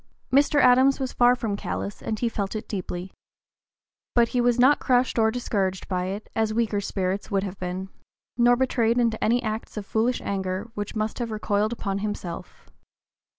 Mr. Adams was far from callous and he felt it deeply. But he was not crushed or discouraged by it, as weaker spirits would have been, nor betrayed into any acts of foolish anger which must have recoiled upon himself.